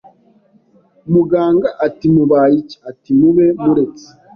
muganga ati mubaye iki? Ati mube muretse